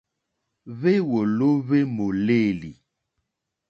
Hwéwòló hwé mòlêlì.